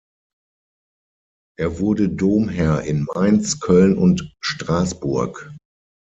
Er wurde Domherr in Mainz, Köln und Straßburg.